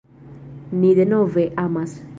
Ni denove amas.